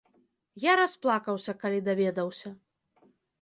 Я расплакаўся, калі даведаўся.